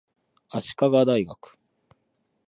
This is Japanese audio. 足利大学